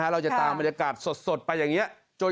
เราจะตามบรรยากาศสดไปอย่างนี้